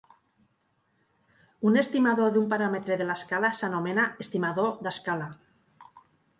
Un estimador d'un paràmetre de l'escala s'anomena estimador d'escala.